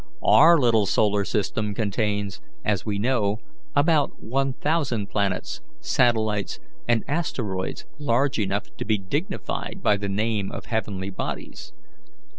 Our little solar system contains, as we know, about one thousand planets, satellites, and asteroids large enough to be dignified by the name of heavenly bodies.